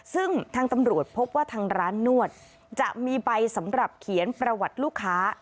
ซึ่งทางตำรวจพบว่าทางร้านนวดจะมีใบสำหรับเขียนประวัติลูกค้า